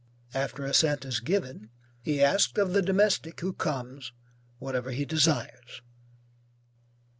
After assent is given, he asks of the domestic who comes, whatever he desires.